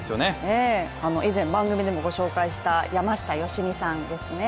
ええ、以前、番組でもご紹介した山下良美さんですね。